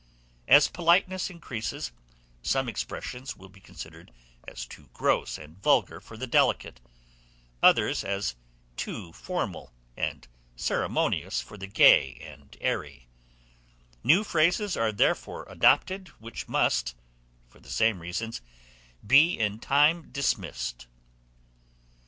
As politeness increases, some expressions will be considered as too gross and vulgar for the delicate, others as too formal and ceremonious for the gay and airy; new phrases are therefore adopted, which must for the same reasons be in time dismissed.